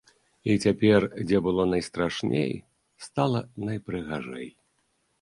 І цяпер, дзе было найстрашней, стала найпрыгажэй.